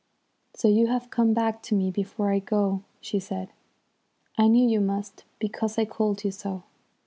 "'So you have come back to me before I go,' she said. 'I knew you must, because I called you so.